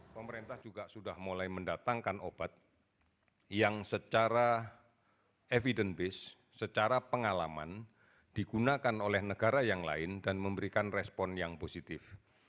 pemerintah juga sudah mulai mendatangkan obat yang secara evidence based secara pengalaman digunakan oleh negara yang lain dan memberikan respon yang positif